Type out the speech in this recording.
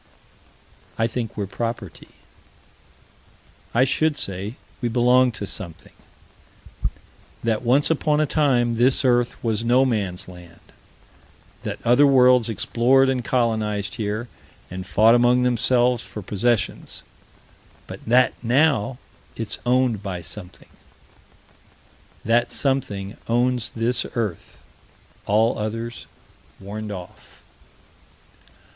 I think we're property. I should say we belong to something: That once upon a time, this earth was No man's Land, that other worlds explored and colonized here, and fought among themselves for possession, but that now it's owned by something: That something owns this earth all others warned off.